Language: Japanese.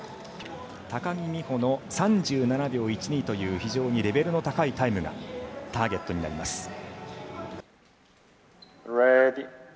高木美帆の３７秒１２という非常にレベルの高いタイムがターゲットになります。